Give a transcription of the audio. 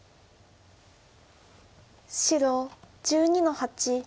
白１２の八。